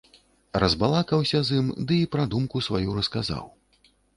Разбалакаўся з ім ды і пра думку сваю расказаў.